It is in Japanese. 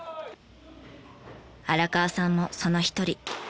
荒川さんもその一人。